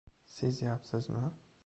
— Sezyapsizmi?